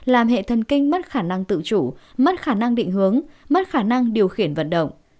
làm hệ thần kinh mất khả năng tự chủ mất khả năng định hướng mất khả năng điều khiển vận động